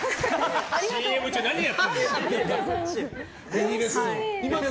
ＣＭ中、何やってんだ。